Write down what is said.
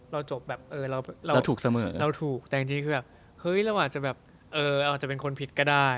เราจบแบบเออเราถูกเสมอเราถูกแต่จริงคือแบบเฮ้ยเราอาจจะแบบเราอาจจะเป็นคนผิดก็ได้